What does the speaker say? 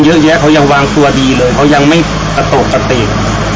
เยอะแยะเขายังวางตัวดีเลยเขายังไม่ปกติ